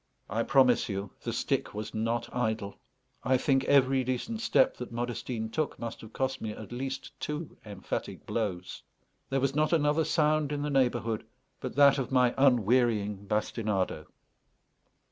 I promise you, the stick was not idle; I think every decent step that Modestine took must have cost me at least two emphatic blows. There was not another sound in the neighbourhood but that of my unwearying bastinado.